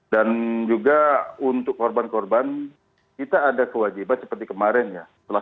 dan juga untuk korban korban kita ada kewajiban seperti kemarin ya